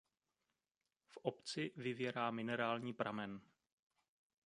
V obci vyvěrá minerální pramen.